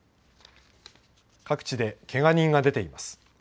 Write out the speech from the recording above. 各地でけが人が出ています。